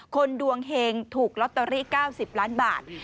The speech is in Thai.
ดวงเฮงถูกลอตเตอรี่๙๐ล้านบาท